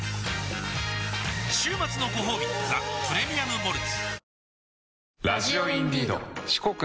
週末のごほうび「ザ・プレミアム・モルツ」おおーーッ